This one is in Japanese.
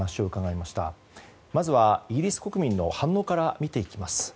まずはイギリス国民の反応から見ていきます。